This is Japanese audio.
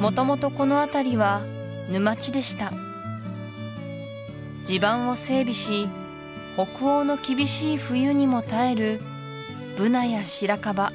元々この辺りは沼地でした地盤を整備し北欧の厳しい冬にも耐えるブナやシラカバ